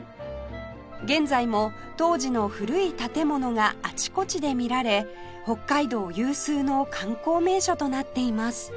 現在も当時の古い建物があちこちで見られ北海道有数の観光名所となっています